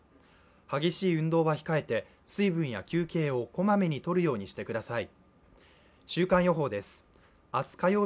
激しい運動は控えて、水分や休憩をこまめにとるようにしてください。